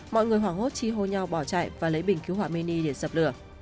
mọi người hoảng hốt chi hô nhau bỏ chạy và lấy bình cứu hỏa mini để dập lửa